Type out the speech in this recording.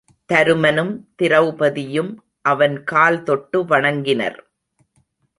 தருமனும் திரெளபதியும் அவன் கால் தொட்டு வணங்கினர்.